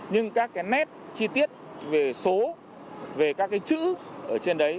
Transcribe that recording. nhưng các nét chi tiết về số về các chữ ở trên đấy